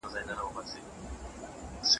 خلګ باید یو بل سره مرسته وکړي.